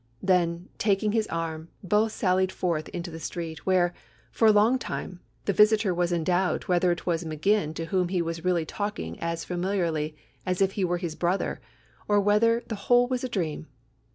Then, taking his arm, both sallied forth into the street, where, for a long time, the visitor was in doubt whether it was Maginn to whom he was really talking as familiarly as if he were his brother, or whether the whole was a dream.